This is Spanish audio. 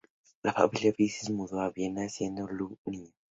La familia Mises se mudó a Viena siendo Ludwig niño.